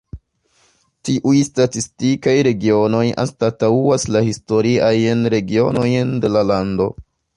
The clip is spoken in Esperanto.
Tiuj statistikaj regionoj anstataŭas la historiajn regionojn de la lando.